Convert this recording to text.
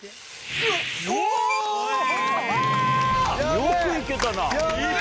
よく行けたな。